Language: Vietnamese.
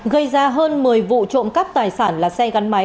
gây ra hơn một mươi vụ trộm cắp tài sản là xe gắn máy